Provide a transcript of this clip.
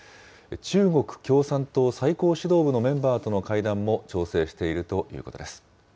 中国共産党最高指導部のメンバーとの会談も調整しているということです。